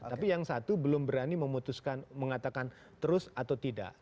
tapi yang satu belum berani memutuskan mengatakan terus atau tidak